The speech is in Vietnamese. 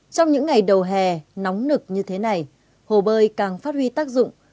trong những ngày đầu hè nóng nực như thế này hồ bơi càng phát huy tác dụng